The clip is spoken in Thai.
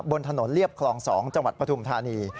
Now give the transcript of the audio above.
บนถนนเรียบคลอง๒จังหวัดปฐุมธานี